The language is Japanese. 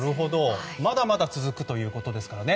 まだまだ続くということですからね。